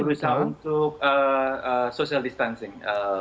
berusaha untuk social distancing